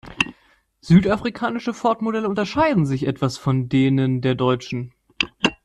Die südafrikanischen Ford-Modelle unterschieden sich etwas von denen der deutschen.